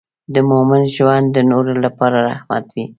د مؤمن ژوند د نورو لپاره رحمت وي.